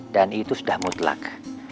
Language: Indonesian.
dan itu sudah mutlak